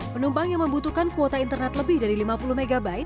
penumpang yang membutuhkan kuota internet lebih dari lima puluh mb